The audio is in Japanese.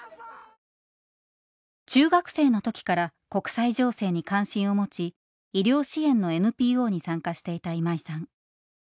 中学生の時から国際情勢に関心を持ち医療支援のＮＰＯに参加していた今井さん。